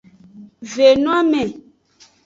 Ve no ame.